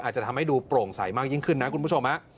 อาจจะทำให้ดูโปร่งใสมากยิ่งขึ้นนะคุณผู้ชม